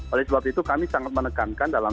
oleh sebab itu kami sangat menekankan dalam